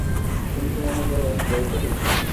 তুমি কি মনে কর, আমি ভয় করি।